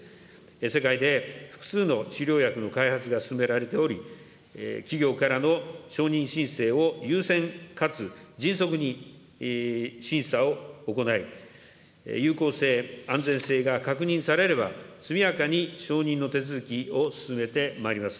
世界で複数の治療薬の開発が進められており、企業からの承認申請を優先かつ迅速に審査を行い、有効性、安全性が確認されれば、速やかに承認の手続きを進めてまいります。